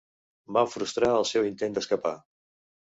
Van frustrar el seu intent d'escapar.